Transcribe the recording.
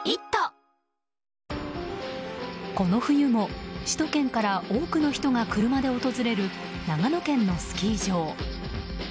この冬も首都圏から多くの人が車で訪れる長野県のスキー場。